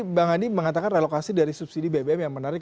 jadi bang hadi mengatakan relokasi dari subsidi bbm yang menarik